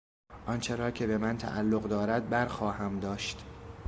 آنچه را که بهمن تعلق دارد برخواهم داشت.